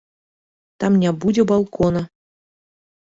Там не будзе балкона.